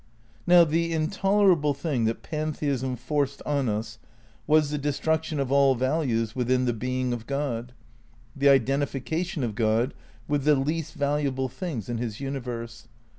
Now the intolerable thing that pantheism forced on us was the destruction of all values within the being of God ; the identification of God with the least valuable things in his universe.